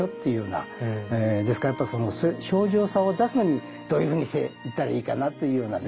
ですからその清浄さを出すのにどういうふうにしていったらいいかなっていうのはね